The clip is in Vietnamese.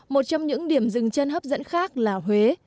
một trong những điểm dừng chân hấp dẫn khác là huế